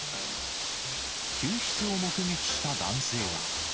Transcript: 救出を目撃した男性は。